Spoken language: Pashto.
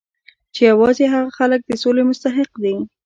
چې یوازې هغه خلک د سولې مستحق دي